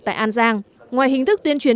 tại an giang ngoài hình thức tuyên truyền